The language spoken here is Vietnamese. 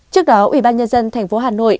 trước đó ủy ban nhân dân thành phố hà nội